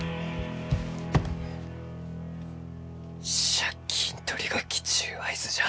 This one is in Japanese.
借金取りが来ちゅう合図じゃ。